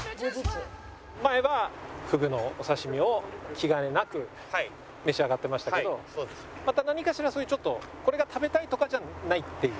前はふぐのお刺し身を気兼ねなく召し上がってましたけどまた何かしらそういうちょっとこれが食べたいとかじゃないっていう。